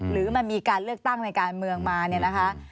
หรือมันมีการเลือกตั้งในการเมืองมาเนี่ยนะคะ